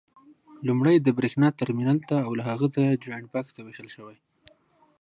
لومړی د برېښنا ترمینل ته او له هغه ځایه جاینټ بکس ته وېشل شوي.